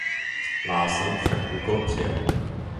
Iásón však úkol přijal.